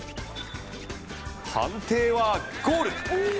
判定はゴール！